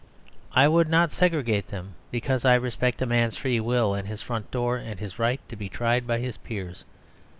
I would not segregate them, because I respect a man's free will and his front door and his right to be tried by his peers.